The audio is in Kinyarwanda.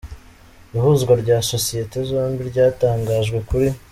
Ihuzwa rya sosiyete zombi ryatangajwe kuri.